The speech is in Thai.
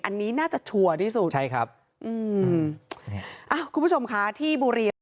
อันนี้น่าจะชัวร์ที่สุดใช่ครับอืมอ้าวคุณผู้ชมคะที่บุรีรำ